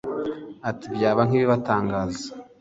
Ati “ Byabaye nk’ibibatangaza